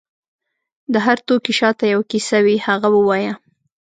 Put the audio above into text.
د هر توکي شاته یو کیسه وي، هغه ووایه.